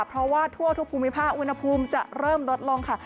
เพราะว่าทั่วทุกภูมิภาคอุณหภูมิจะเริ่มลดลงค่ะ